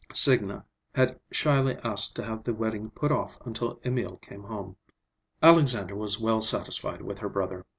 Signa had shyly asked to have the wedding put off until Emil came home. Alexandra was well satisfied with her brother.